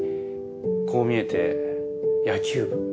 こう見えて野球部。